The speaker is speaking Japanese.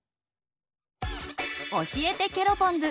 教えてケロポンズ！